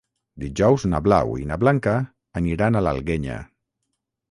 Dijous na Blau i na Blanca aniran a l'Alguenya.